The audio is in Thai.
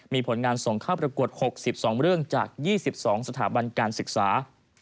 มีผลงานส่งเข้าประกวด๖๒เรื่องจาก๒๒สถาบันการศึกษา